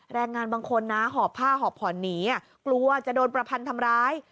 แรงงานบางคนนะหอบผ้าหอบผ่อนหนีกลัวจะโดนประพันธ์ทำร้าย